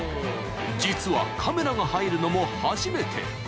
［実はカメラが入るのも初めて］